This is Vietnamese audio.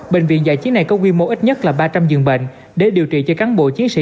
bệnh viện giải chiến này có quy mô ít nhất là ba trăm linh giường bệnh để điều trị cho cán bộ chiến sĩ